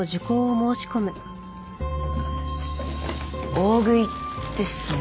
大食いですね。